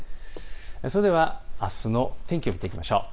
それではあすの天気を見ていきましょう。